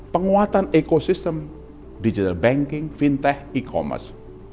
penguatan ekosistem digital banking fintech e commerce